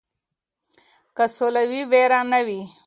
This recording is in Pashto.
که سوله وي ویره نه وي.